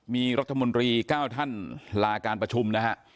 มีรัฐมนตรี๙ท่านลาการประชุมนะฮะ